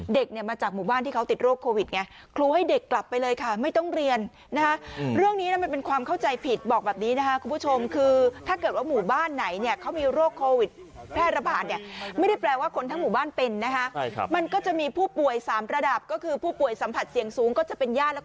เนี่ยมาจากหมู่บ้านที่เขาติดโรคโควิดไงครูให้เด็กกลับไปเลยค่ะไม่ต้องเรียนนะฮะเรื่องนี้นะมันเป็นความเข้าใจผิดบอกแบบนี้นะคะคุณผู้ชมคือถ้าเกิดว่าหมู่บ้านไหนเนี่ยเขามีโรคโควิดแพร่ระบาดเนี่ยไม่ได้แปลว่าคนทั้งหมู่บ้านเป็นนะคะมันก็จะมีผู้ป่วย๓ระดับก็คือผู้ป่วยสัมผัสเสี่ยงสูงก็จะเป็นญาติ